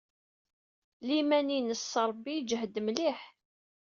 Liman-nnes s Ṛebbi yejhed mliḥ.